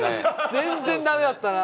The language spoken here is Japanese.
全然ダメだったな。